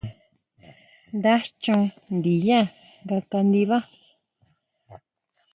Nda chon ndinyá nga kandibá.